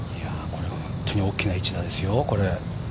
これは本当に大きな一打ですよ。